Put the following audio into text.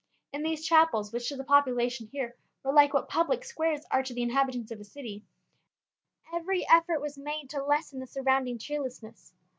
In these chapels, which to the population here were like what public squares are to the inhabitants of a city, every effort was made to lessen the surrounding cheerlessness.